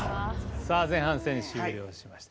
さあ前半戦終了しました。